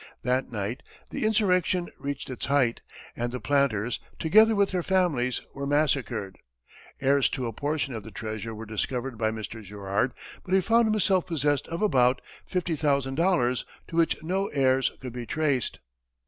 That night, the insurrection reached its height, and the planters, together with their families, were massacred. Heirs to a portion of the treasure were discovered by Mr. Girard, but he found himself possessed of about $50,000 to which no heirs could be traced.